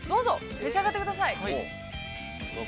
召し上がってください。